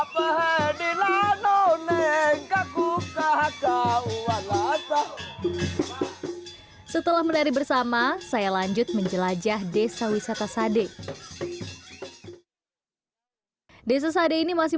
setelah menari bersama saya lanjut menjelajah desa wisata sade desa sade ini masih